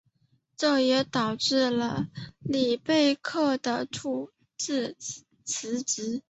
这也导致了里贝克的引咎辞职。